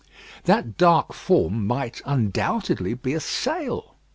That dark form might undoubtedly be a sail.